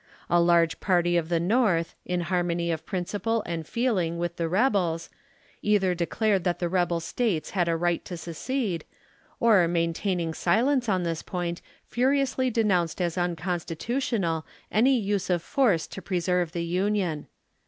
A large party of the North, in harmony of principle and feeling with the rebels, either declared that the rebel States had a right to secede, or maintaining silence on this point, furiously de nounced as unconstitutional, any use of force to preserve the Union.